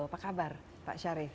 apa kabar pak syarif